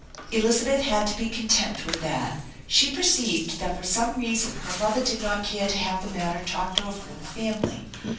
Elizabeth had to be content with that. She perceived that for some reason her brother did not care to have the matter talked over in the family.